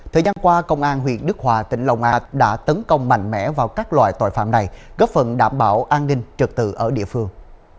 thời gian qua công an huyện đức hòa tỉnh lòng an đã tấn công mạnh mẽ vào các loại tội phạm này góp phần đảm bảo an ninh trực tự ở địa phương